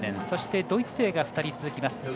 そして、ドイツ勢が２人続きます。